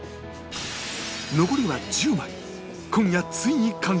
残りは１０枚